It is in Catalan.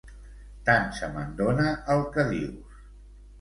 Tant se me'n dona el que dius.